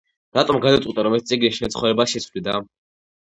რატომ გადაწყვიტე, რომ ეს წიგნი შენს ცხოვრებას შეცვლიდა?